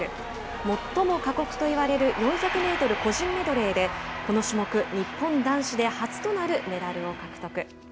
もっとも過酷と言われる４００メートル個人メドレーでこの種目日本男子で初となるメダルを獲得。